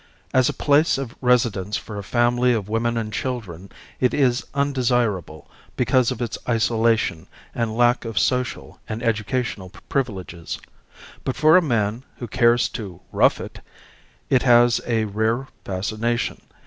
As a place of residence for a family of women and children it is undesirable because of its isolation and lack of social and educational privileges; but for a man who cares to "rough it" it has a rare fascination.